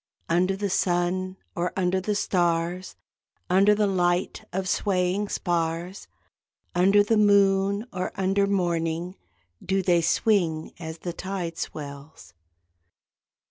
Under the sun or under the stars (Under the light of swaying spars), Under the moon or under morning Do they swing, as the tide swells.